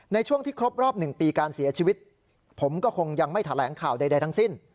ในช่วงที่ครบรอบ๑ปีการเสียชีวิตผมก็คงยังไม่แถลงข่าวใดทั้งสิ้น